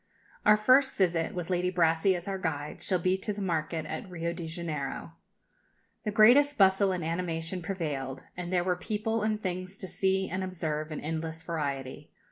Our first visit, with Lady Brassey as our guide, shall be to the market at Rio de Janeiro. The greatest bustle and animation prevailed, and there were people and things to see and observe in endless variety.